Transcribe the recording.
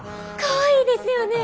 かわいいですよね！